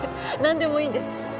何でもいいんです